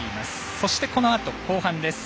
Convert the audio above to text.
そして、このあと後半です。